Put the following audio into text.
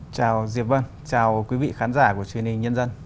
chào diệp vân chào quý vị khán giả của truyền hình nhân dân